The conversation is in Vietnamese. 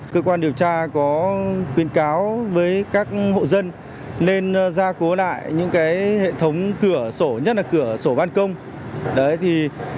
cơ quan điều tra có khuyên cáo với